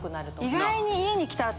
意外に家に来たら。